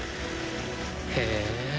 へえ。